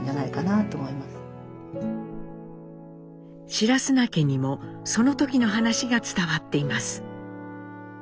白砂家にもその時の話が伝わっています。